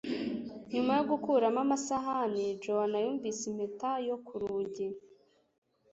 Nyuma yo gukuramo amasahani, Joan yumvise impeta yo ku rugi